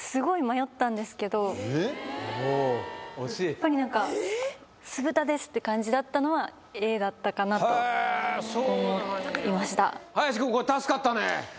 やっぱりなんか酢豚ですって感じだったのはＡだったかなと思いました林くんこれ助かったね